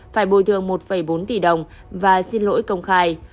phải bồi thường một bốn tỷ đồng và xin lỗi công khai